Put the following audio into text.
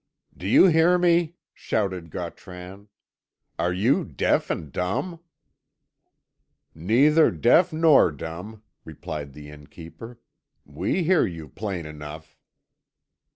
"Do you hear me?" shouted Gautran. "Are you deaf and dumb?" "Neither deaf nor dumb," replied the innkeeper; "we hear you plain enough."